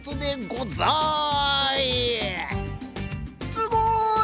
すごい！